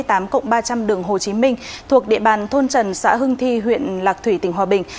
tại km bốn trăm sáu mươi tám ba trăm linh đường hồ chí minh thuộc địa bàn thôn trần xã hưng thi huyện lạc thủy tỉnh hòa bình